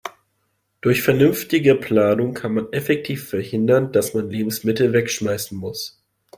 Durch vernünftige Planung kann man effektiv verhindern, dass man Lebensmittel wegschmeißen muss.